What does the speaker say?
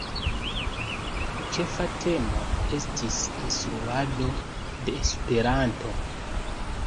Ĉefa temo estis "Instruado de Esperanto".